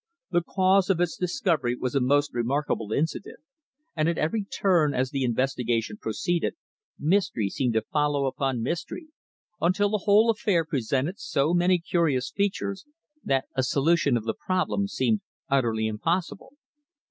The cause of its discovery was a most remarkable incident, and at every turn as the investigation proceeded mystery seemed to follow upon mystery, until the whole affair presented so many curious features that a solution of the problem seemed utterly impossible.